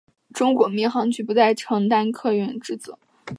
中国民航局不再直接承担客运职责。